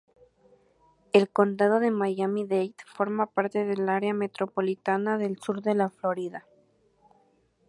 El condado de Miami-Dade forma parte del área metropolitana del Sur de la Florida.